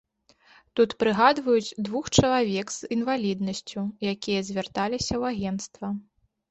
Тут прыгадваюць двух чалавек з інваліднасцю, якія звярталіся ў агенцтва.